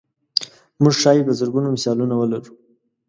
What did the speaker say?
موږ ښایي په زرګونو مثالونه ولرو.